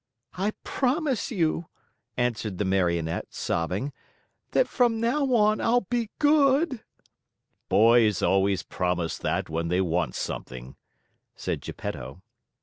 "I promise you," answered the Marionette, sobbing, "that from now on I'll be good " "Boys always promise that when they want something," said Geppetto.